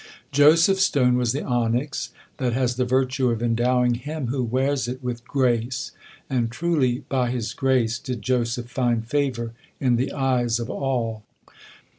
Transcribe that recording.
Joseph's stone was the onyx, that has the virtue of endowing him who wears it with grace, and truly, by his grace, did Joseph find favor in the eyes of all.